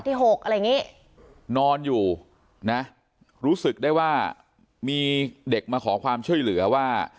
อะไรอย่างนี้นอนอยู่นะรู้สึกได้ว่ามีเด็กมาขอความช่วยเหลือว่า